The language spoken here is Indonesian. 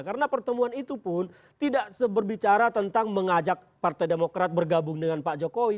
karena pertemuan itu pun tidak berbicara tentang mengajak partai demokrat bergabung dengan pak jokowi